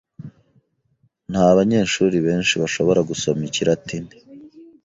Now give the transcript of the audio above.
Nta banyeshuri benshi bashobora gusoma ikilatini.